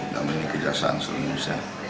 dalam kejaksaan seluruh indonesia